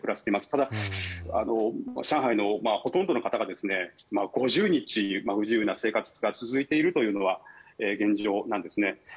ただ、上海のほとんどの方が５０日、不自由な生活が続いているというのが現状なんですね。